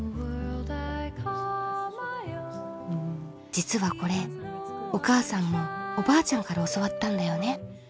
実はこれお母さんもおばあちゃんから教わったんだよね。